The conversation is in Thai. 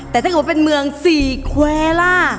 แต่ถ้าเกิดว่าเป็นเมืองสี่แควร์ล่ะ